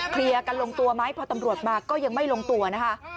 เคลียร์กันลงตัวไหมพอตำรวจมาก็ยังไม่ลงตัวนะคะ